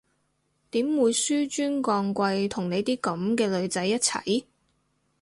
點會紓尊降貴同你啲噉嘅女仔一齊？